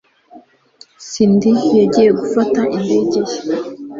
Cindy yagiye gufata indege ye